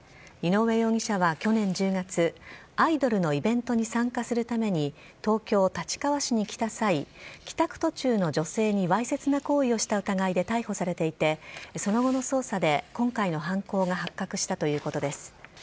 井上容疑者は去年１０月、アイドルのイベントに参加するために、東京・立川市に来た際、帰宅途中の女性にわいせつな行為をした疑いで逮捕されていて、その後の捜査で今回の犯行が発覚したということです。